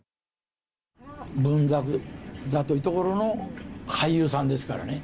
文学座というところの俳優さんですからね。